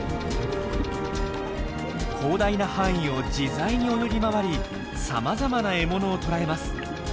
広大な範囲を自在に泳ぎ回りさまざまな獲物を捕らえます。